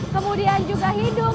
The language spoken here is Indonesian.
kemudian juga hidung